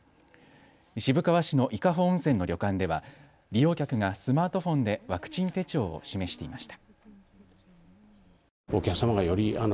渋川市の伊香保温泉の旅館では利用客がスマートフォンでワクチン手帳を示していました。